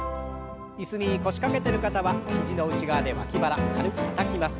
椅子に腰掛けてる方は肘の内側で脇腹軽くたたきます。